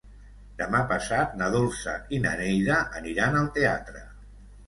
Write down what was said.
Demà passat na Dolça i na Neida aniran al teatre.